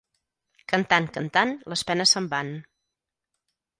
Cantant, cantant, les penes se'n van.